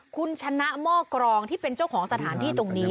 คุณชนะหม้อกรองที่เป็นเจ้าของสถานที่ตรงนี้